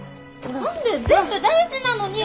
何で全部大事なのに！